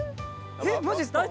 えっマジですか？